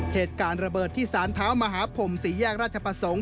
เหตุการณ์ระเบิดที่สารเท้ามหาพรมสี่แยกราชประสงค์